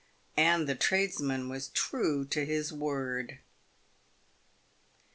And the tradesman was true to his word.